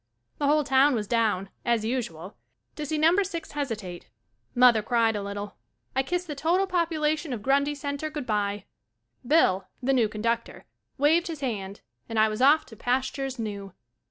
The whole town was down, as usual, to see No. 6 hesi tate ; mother cried a little; I kissed the total population of Grundy Center good bye : Bill, the new conductor, waved his hand and I was off to pastures new.